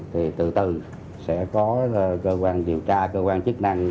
thì từ từ sẽ có cơ quan điều tra cơ quan chức năng